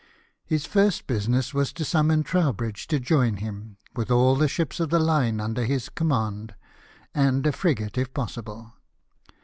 His first business was to summon Trowbridge to join him, with all the ships of the line under his command, and a frigate, if possible.